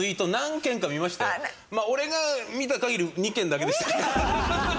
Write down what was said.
まあ俺が見た限り２件だけでしたけど。